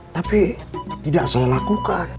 tapi tidak saya lakukan